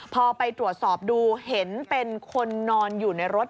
พอไปตรวจสอบดูเห็นเป็นคนนอนอยู่ในรถ